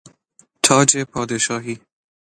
تاج پادشاهی